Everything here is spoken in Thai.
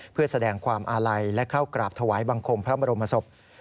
เพื่อแสดงความอาลัยและเข้ากราบถวายบังคมพระบรมศพ